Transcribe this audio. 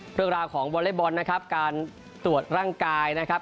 เรื่องราวของวอเล็กบอลนะครับการตรวจร่างกายนะครับ